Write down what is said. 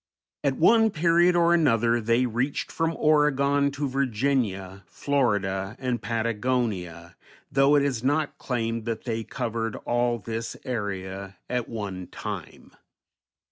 At one period or another they reached from Oregon to Virginia, Florida, and Patagonia, though it is not claimed that they covered all this area at one time.